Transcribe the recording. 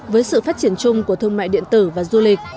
với sự phát triển chung của thương mại điện tử và du lịch